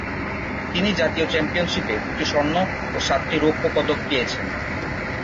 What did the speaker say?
তিনি জাতীয় চ্যাম্পিয়নশিপে দুটি স্বর্ণ ও সাতটি রৌপ্য পদক পেয়েছেন।